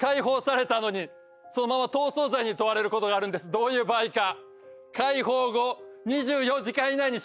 どういう場合か？